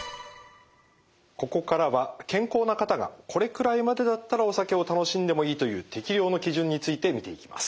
ここからは健康な方がこれくらいまでだったらお酒を楽しんでもいいという適量の基準について見ていきます。